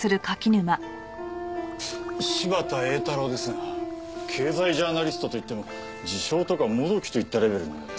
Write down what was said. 柴田英太郎ですが経済ジャーナリストと言っても「自称」とか「もどき」といったレベルのようです。